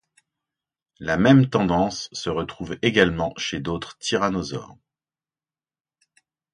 La même tendance se retrouve également chez d'autres tyrannosaures.